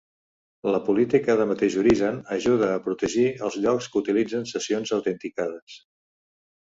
La política de mateix origen ajuda a protegir els llocs que utilitzen sessions autenticades.